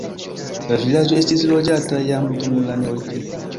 La vilaĝo estis loĝata jam dum la neolitiko.